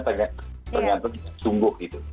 ternyata itu sungguh gitu